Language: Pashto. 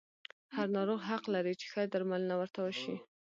هر ناروغ حق لري چې ښه درملنه ورته وشي.